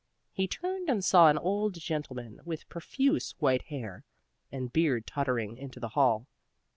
He turned and saw an old gentleman with profuse white hair and beard tottering into the hall.